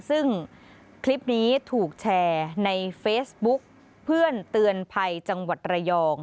ซึ่งคลิปนี้ถูกแชร์ในเฟซบุ๊กเพื่อนเตือนภัยจังหวัดระยอง